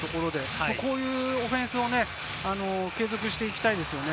こういうオフェンスを継続していきたいですね。